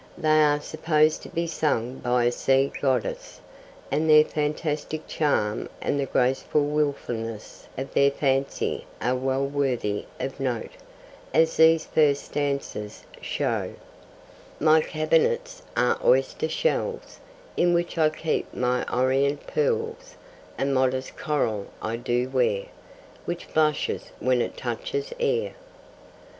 They are supposed to be sung by a sea goddess, and their fantastic charm and the graceful wilfulness of their fancy are well worthy of note, as these first stanzas show: My cabinets are oyster shells, In which I keep my Orient pearls; And modest coral I do wear, Which blushes when it touches air.